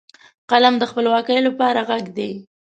قلم د خپلواکۍ لپاره غږ دی